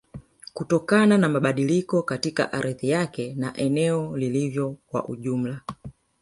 Kutokana na mabadiliko katika ardhi yake na eneo lilivyo kwa ujumla